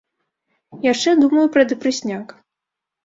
Яшчэ думаю пра дэпрэсняк.